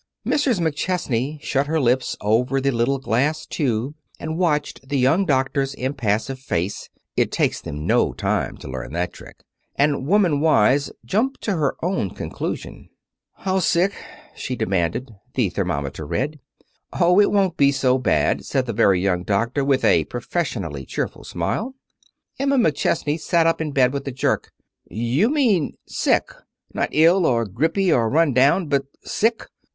Mrs. McChesney shut her lips over the little glass tube, and watched the young doctor's impassive face (it takes them no time to learn that trick) and, woman wise, jumped to her own conclusion. "How sick?" she demanded, the thermometer read. "Oh, it won't be so bad," said the very young doctor, with a professionally cheerful smile. Emma McChesney sat up in bed with a jerk. "You mean sick! Not ill, or grippy, or run down, but sick!